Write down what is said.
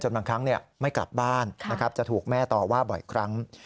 จนบางครั้งเนี่ยไม่กลับบ้านนะครับจะถูกแม่ต่อว่าบ่อยครั้ง